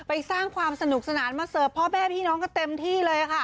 สร้างความสนุกสนานมาเสิร์ฟพ่อแม่พี่น้องกันเต็มที่เลยค่ะ